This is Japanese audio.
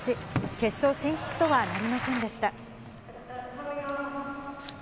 決勝進出とはなりませんでした。